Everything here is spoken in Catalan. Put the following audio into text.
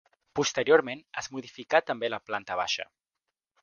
Posteriorment es modificà també la planta baixa.